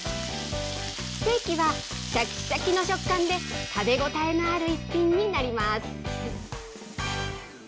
ステーキはしゃきしゃきの食感で、食べ応えのある一品になります。